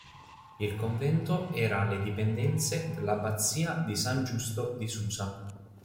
Il convento era alle dipendenze dell'Abbazia di San Giusto di Susa.